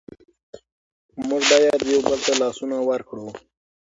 موږ باید یو بل ته لاسونه ورکړو.